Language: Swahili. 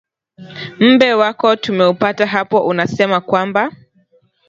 mbe wako tumeupata hapo unasema kwamba